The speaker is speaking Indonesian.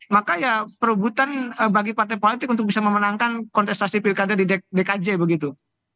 maka ya perebutan bagi partai politik untuk bisa memenangkan kontestasi pilkada di dkj begitu